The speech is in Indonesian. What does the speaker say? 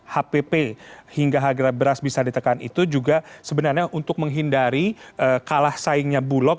hpp hingga harga beras bisa ditekan itu juga sebenarnya untuk menghindari kalah saingnya bulog